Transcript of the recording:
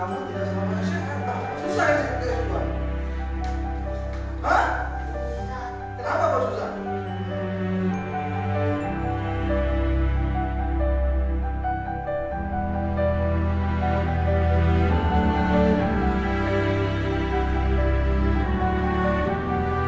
sampai akhir hayat saya